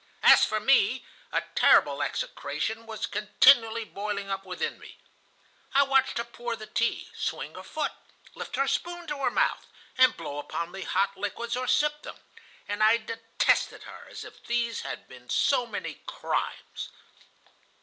As for me, a terrible execration was continually boiling up within me. I watched her pour the tea, swing her foot, lift her spoon to her mouth, and blow upon hot liquids or sip them, and I detested her as if these had been so many crimes.